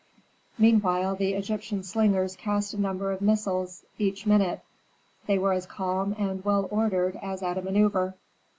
Meanwhile the Egyptian slingers cast a number of missiles each minute. They were as calm and well ordered as at a manœuvre.